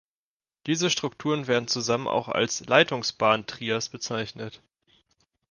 Diese Strukturen werden zusammen auch als Leitungsbahn-Trias bezeichnet.